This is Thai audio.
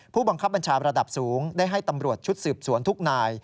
ผู้บังคับบัญชาระดับสูงได้ให้ตำรวจชุดสืบสวนทุกนาย